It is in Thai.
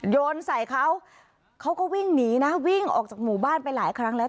โยนใส่เขาเขาก็วิ่งหนีนะวิ่งออกจากหมู่บ้านไปหลายครั้งแล้ว